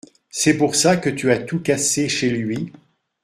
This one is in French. C’est pour ça que tu as tout cassé chez lui ?